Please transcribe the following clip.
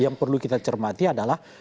yang perlu kita cermati adalah